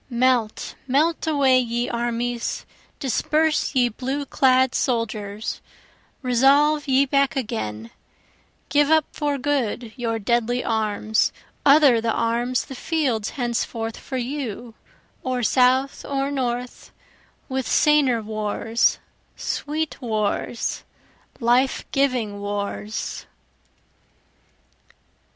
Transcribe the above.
Melt, melt away ye armies disperse ye blue clad soldiers, Resolve ye back again, give up for good your deadly arms, Other the arms the fields henceforth for you, or South or North, With saner wars, sweet wars, life giving wars.